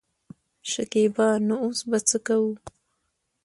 شکيبا : نو اوس به څه کوو.